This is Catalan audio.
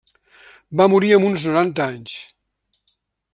Va morir amb uns noranta anys.